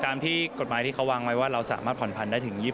ตามที่กฎหมายที่เขาวางไว้ว่าเราสามารถผ่อนพันธุได้ถึง๒๐